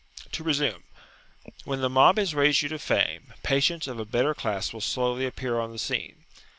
To resume. When the mob has raised you to fame, patients of a better class will slowly appear on the scene.